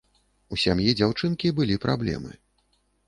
У сям'і дзяўчынкі былі праблемы.